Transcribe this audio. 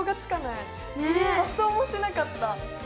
発想もしなかった。